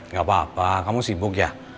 nggak apa apa kamu sibuk ya